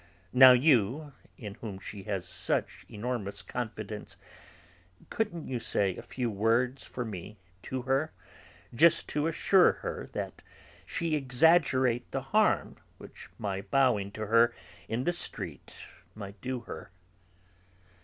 Now you, in whom she has such enormous confidence, couldn't you say a few words for me to her, just to assure her that she exaggerate the harm which my bowing to her in the street might do her?"